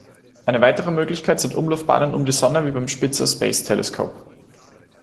Eine weitere Möglichkeit sind Umlaufbahnen um die Sonne wie beim Spitzer Space Telescope.